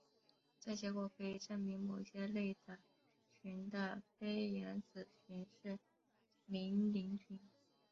这结果可以证明某些类的群的菲廷子群是幂零群。